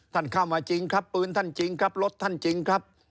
ท่านเข้ามาจริงครับปืนท่านจริงครับรถท่านจริงครับ